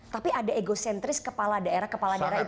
tapi ada egocentris kepala daerah kepala daerah itu